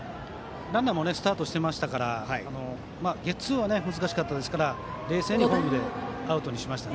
ランナーもスタートしていましたからゲッツーは難しかったですから冷静にホームでアウトにしました。